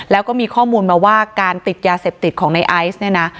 เพราะว่าการติดยาเสพติดของในไอซ์